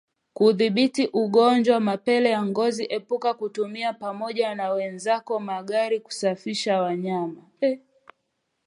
Kudhibiti ugonjwa wa mapele ya ngozi epuka kutumia pamoja na wenzako magari kusafirishia wanyama